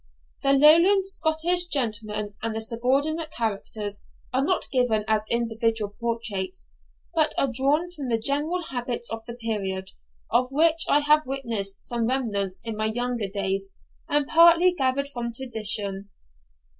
The Lowland Scottish gentlemen and the subordinate characters are not given as individual portraits, but are drawn from the general habits of the period, of which I have witnessed some remnants in my younger days, and partly gathered from tradition.